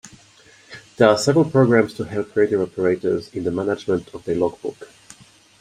There are several programs to help radio operators in the management of their logbook.